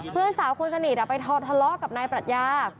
เพื่อนสาวคนสนิทไปทะเลาะกับนายปรัชญา